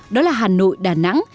đó là hà nội đà nẵng